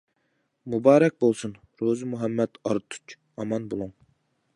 مۇبارەك بولسۇن-روزى مۇھەممەد ئارتۇچ، ئامان بولۇڭ!